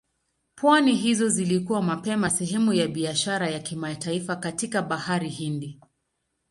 Pwani hizo zilikuwa mapema sehemu ya biashara ya kimataifa katika Bahari Hindi.